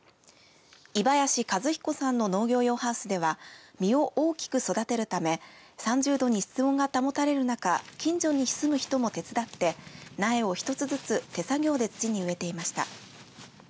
伊林和彦さんの農業用ハウスでは実を大きく育てるため３０度に室温が保たれる中近所に住む人も手伝って苗を１つずつ手作業で土に植えていました。